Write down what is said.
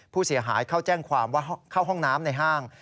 ผู้เสียหายเข้าแจ้งความว่าเข้าห้องน้ำในห้าง